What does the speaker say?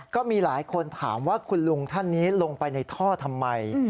ก็มีหลายคนถามว่าคุณลุงท่านนี้ลงไปในท่อทำไม